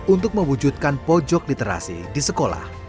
untuk mewujudkan pojok literasi di sekolah